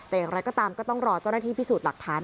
แต่อย่างไรก็ตามก็ต้องรอเจ้าหน้าที่พิสูจน์หลักฐาน